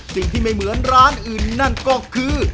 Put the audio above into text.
สิ่งที่ไม่เหมือนร้านอื่นนั่นก็คือ